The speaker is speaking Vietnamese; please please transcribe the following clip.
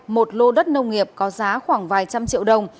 một lô đất nông nghiệp có giá khoảng vài trăm triệu đồng